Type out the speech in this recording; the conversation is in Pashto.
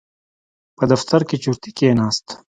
په دفتر کې چورتي کېناست.